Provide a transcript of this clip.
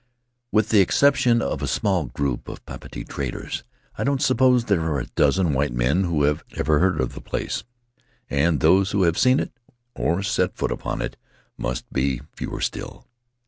With the exception of a small group of Papeete traders, I don't suppose there are a dozen white men who have ever heard of the place; and those who have seen it or set foot upon it must be fewer still.